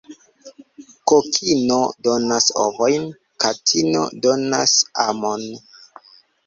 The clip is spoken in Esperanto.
Kokino donas ovojn, katino donas amon.